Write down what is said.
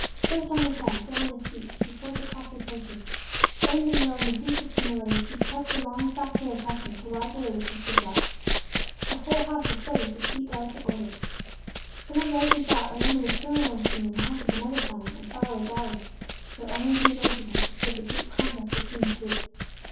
First on His head, then on His feet, she poured the costly perfume. Bending low in the deepest humility, she swept her long soft hair across them to wipe away the crystal drops. The whole house was filled with the sweet, delicate odor. Some of those who saw it, remembered a similar scene in the house of another Simon, in far away Galilee; but only the Anointed One could feel the deep contrast between the two.